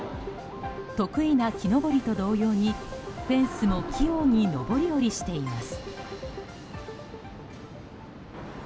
得意な木登りと同様にフェンスも器用に上り下りしています。